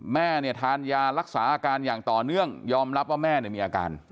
แม่เนี่ยทานยารักษาอาการอย่างต่อเนื่องยอมรับว่าแม่มีอาการ